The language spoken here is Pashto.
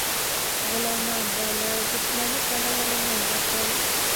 غلامان به له جسماني پلوه له منځه تلل.